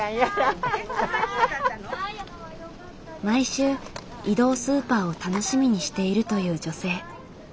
毎週移動スーパーを楽しみにしているという女性。